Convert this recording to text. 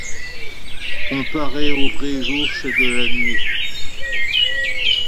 Comparée au vrai jour, c’est de la nuit.